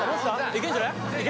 いけんじゃない？